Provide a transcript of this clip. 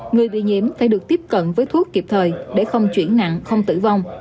người bị nhiễm phải được tiếp cận với thuốc kịp thời để không chuyển nặng không tử vong